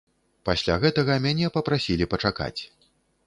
Пасля гэтага мяне папрасілі пачакаць.